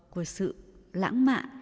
của sự lãng mạn